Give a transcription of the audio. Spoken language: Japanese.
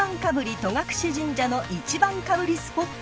戸隠神社の１番かぶりスポットとは］